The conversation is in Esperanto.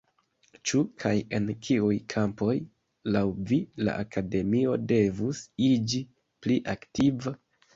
Ĉu, kaj en kiuj kampoj, laŭ vi la Akademio devus iĝi pli aktiva?